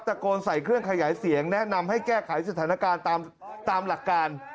โกนใส่เครื่องขยายเสียงแนะนำให้แก้ไขสถานการณ์ตามหลักการ